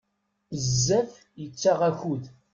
Bezzaf yettaɣ akud.